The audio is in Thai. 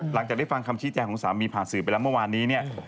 หลังจากได้ฟังคำชี้แจงของสามีผ่านสื่อไปแล้วเมื่อวานนี้เนี่ย